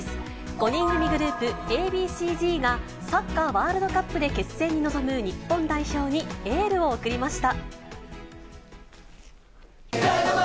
５人組グループ、Ａ．Ｂ．ＣーＺが、サッカーワールドカップで決戦に臨む日本代表にエールを送りました。